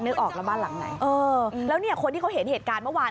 ออกแล้วบ้านหลังไหนเออแล้วเนี่ยคนที่เขาเห็นเหตุการณ์เมื่อวาน